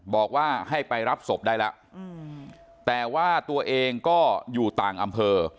บอกว่าให้ไปรับศพได้แล้วแต่ว่าตัวเองก็อยู่ต่างอำเภอ